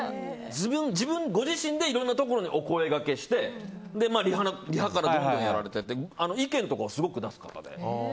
ご自身でいろんなところにお声がけしてリハからどんどんやられてて意見とかをすごく出す方で。